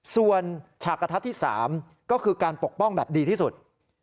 ส่วนฉากกระทัดที่๓ก็คือการปกป้องแบบดีที่สุด